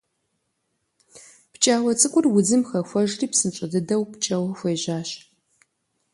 Пкӏауэ цӏыкӏур удзым хэхуэжри псынщӏэ дыдэу пкӏэуэ хуежьащ.